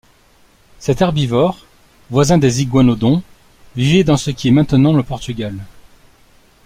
Cet herbivore voisin des iguanodons vivait dans ce qui est maintenant le Portugal.